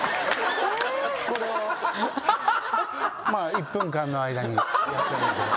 １分間の間にやってます。